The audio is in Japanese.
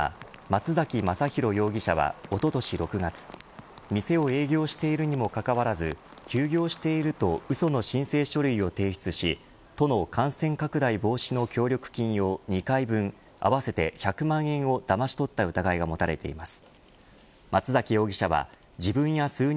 松崎全弘容疑者は、おととし６月店を営業しているにもかかわらず休業しているとうその申請書類を提出し都の感染拡大防止の協力金を２回分、合わせて１００万円をだまし取った疑いが持たれています。